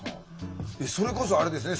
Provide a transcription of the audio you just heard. それこそあれですよね